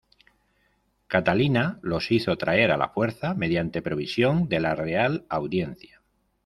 Catalina los hizo traer a la fuerza mediante provisión de la Real Audiencia.